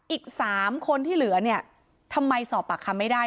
อีก๓คนที่เหลือเนี่ยทำไมสอบปากคำไม่ได้